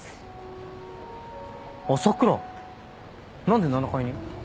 何で７階に？